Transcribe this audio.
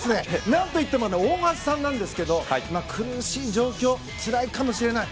なんといっても大橋さんなんですが苦しい状況つらいかもしれない。